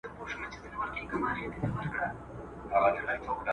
د لاسونو وینځل د ناروغۍ د مخنیوي لپاره اړین دي.